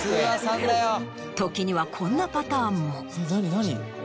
時にはこんなパターンも。